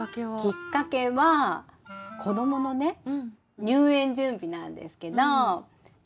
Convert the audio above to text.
きっかけは子どものね入園準備なんですけどほんとはね